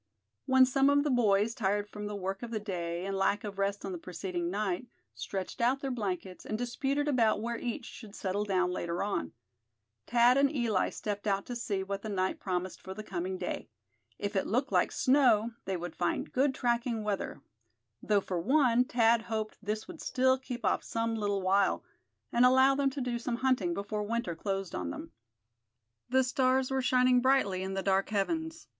When some of the boys, tired from the work of the day, and lack of rest on the preceding night, stretched out their blankets, and disputed about where each should settle down later on. Thad and Eli stepped out to see what the night promised for the coming day. If it looked like snow they would find good tracking weather; though for one Thad hoped this would still keep off some little while, and allow them to do some hunting before winter closed on them. The stars were shining brightly in the dark heavens.